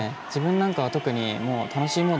自分なんかは特に楽しむモード